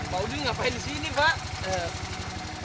pak udi ngapain di sini pak